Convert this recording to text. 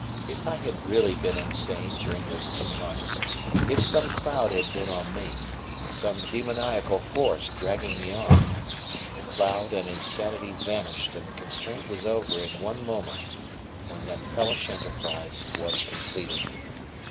If I had really been insane during those two months, if some cloud had been on me, some demoniacal force dragging me on, the cloud and insanity vanished and the constraint was over in one moment, when that hellish enterprise was completed.